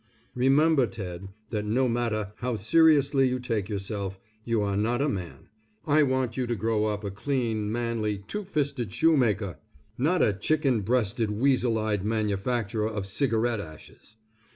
Remember Ted that no matter how seriously you take yourself, you are not a man. I want you to grow up a clean, manly, two fisted shoemaker, not a chicken breasted, weasel eyed manufacturer of cigarette ashes.